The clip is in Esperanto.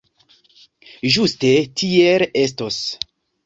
Ĝuste tiel estos.